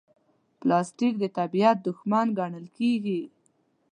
پلاستيک د طبیعت دښمن ګڼل کېږي.